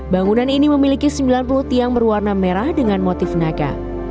bangunan ini memiliki sembilan puluh tiang berwarna merah dengan motif naga